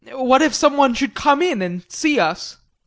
What if someone should come in and see us?